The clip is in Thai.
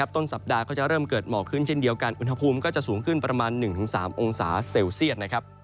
ต้นสัปดาห์ก็จะเริ่มเกิดหมอกขึ้นเช่นเดียวกันอุณหภูมิก็จะสูงขึ้นประมาณ๑๓องศาเซลเซียต